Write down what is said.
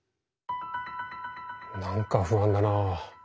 何か不安だな。